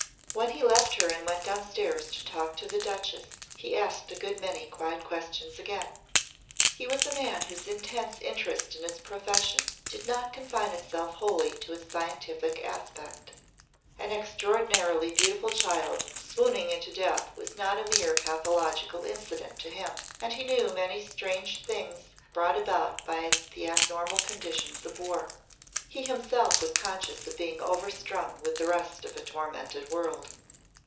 When he left her and went downstairs to talk to the Duchess he asked a good many quiet questions again. He was a man whose intense interest in his profession did not confine itself wholly to its scientific aspect. An extraordinarily beautiful child swooning into death was not a mere pathological incident to him. And he knew many strange things brought about by the abnormal conditions of war. He himself was conscious of being overstrung with the rest of a tormented world.